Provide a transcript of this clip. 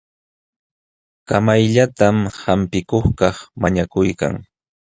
Kamayllatam hampikuqkaq mañakuykan.